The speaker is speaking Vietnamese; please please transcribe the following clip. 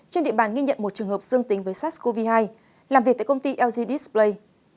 trên địa bàn nghi nhận một trường hợp dương tính với sars cov hai làm việc tại công ty lg display